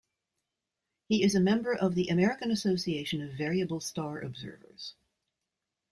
He is a member of the American Association of Variable Star Observers.